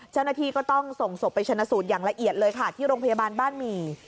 เจ้าหน้าที่ก็ต้องส่งศพไปชนะสูตรอย่างละเอียดเลยค่ะที่โรงพยาบาลบ้านหมี่